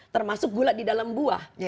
termasuk gula di dalam buah